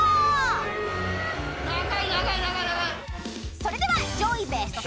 ［それでは上位ベスト３］